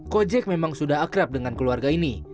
kojek memang sudah akrab dengan keluarga ini